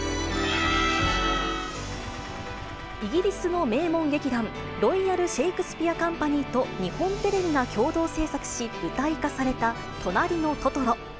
イギリスの名門劇団、ロイヤル・シェイクスピア・カンパニーと日本テレビが共同制作し、舞台化されたとなりのトトロ。